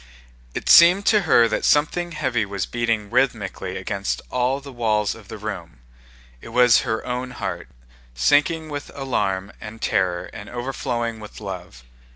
It seemed to her that something heavy was beating rhythmically against all the walls of the room: it was her own heart, sinking with alarm and terror and overflowing with love.